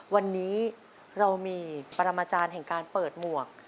วันนี้เรามีปรมาจารย์แห่งการเปิดหมวก